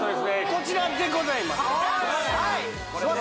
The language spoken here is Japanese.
こちらでございます